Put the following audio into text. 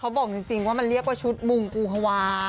บอกจริงว่ามันเรียกว่าชุดมุงกูฮวา